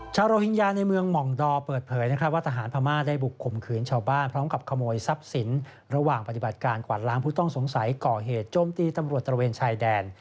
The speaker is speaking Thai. โรฮิงญาในเมืองหม่องดอร์เปิดเผยว่าทหารพม่าได้บุกข่มขืนชาวบ้านพร้อมกับขโมยทรัพย์สินระหว่างปฏิบัติการกวาดล้างผู้ต้องสงสัยก่อเหตุโจมตีตำรวจตระเวนชายแดน